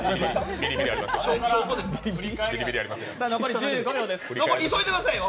ビリビリありますよ。